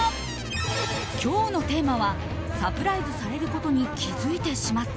今日のテーマはサプライズされることに気づいてしまった。